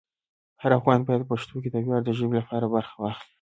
هر افغان باید په پښتو کې د ویاړ د ژبې لپاره برخه واخلي.